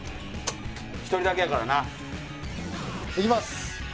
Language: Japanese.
１人だけやからな。いきます。